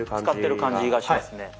使ってる感じがしますね。